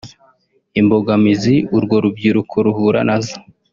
Imbogamizi urwo rubyiruko ruhura nazo